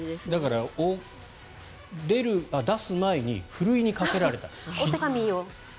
手紙を出す前にふるいにかけられた。